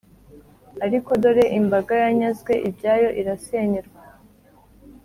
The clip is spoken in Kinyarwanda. Ariko dore imbaga yanyazwe ibyayo, irasenyerwa,